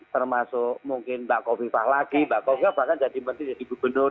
termasuk mungkin mbak kofi fah lagi mbak kofi bahkan jadi menteri jadi gubernur